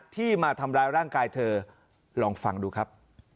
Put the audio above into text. ที่มาทำร้ายร่างกายเธอลองฟังดูครับ